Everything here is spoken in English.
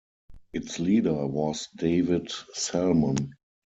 Its leader was David Salmon.